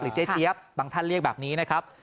เจ๊เจี๊ยบบางท่านเรียกแบบนี้นะครับ